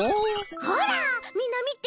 ほらみんなみて。